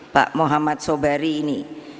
pak muhammad sobari ini